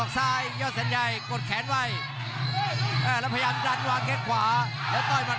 เสียบขวาอีกทีครับ